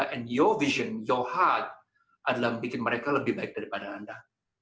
dan visi anda hati anda adalah membuat mereka lebih baik daripada anda